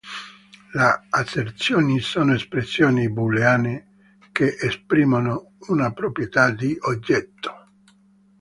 Le asserzioni sono espressioni booleane che esprimono una proprietà di un oggetto.